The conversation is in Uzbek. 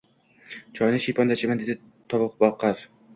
– Choyni shiyponda ichaman, – dedi tovuqboqar